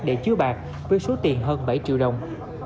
để chứa bạc với số tiền hơn bảy triệu đồng